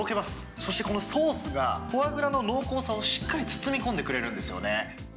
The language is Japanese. そしてこのソースが、フォアグラの濃厚さをしっかり包み込んでくれるんですよね。